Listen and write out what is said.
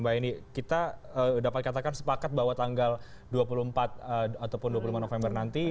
mbak eni kita dapat katakan sepakat bahwa tanggal dua puluh empat ataupun dua puluh lima november nanti